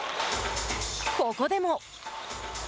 ここでも。